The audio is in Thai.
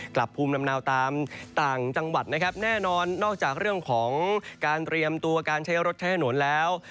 กลับภูมิลำเนาตามต่างจังหวัดนะครับแน่นอนนอกจากเรื่องของการเตรียมตัวการใช้รถใช้ถนนแล้ว